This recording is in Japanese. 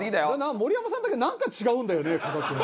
盛山さんだけ何か違うんだよね形が。